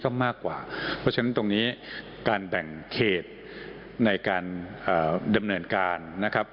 ก็มากกว่าเพราะฉะนั้นตรงนี้การแบ่งเขตในการดำเนินการนะครับ